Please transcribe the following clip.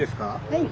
はい。